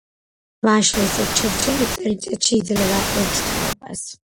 ვაშლის ჩრჩილი წელიწადში იძლევა ერთ თაობას.